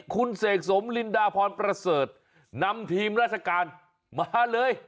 คุณเสกสมลินดาพรประเสริฐนำทีมราชการมาเลย